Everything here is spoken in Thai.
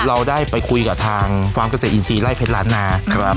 เราได้ไปคุยกับทางฟาร์มเกษตรอินทรีย์ไล่เพชรล้านนาครับ